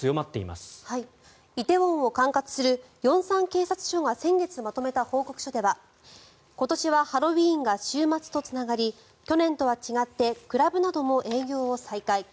梨泰院を管轄する龍山警察署が先月まとめた報告書では今年はハロウィーンが週末とつながり去年とは違ってクラブなども営業を再開。